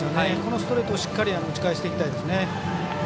ストレートをしっかり打ち返していきたいですね。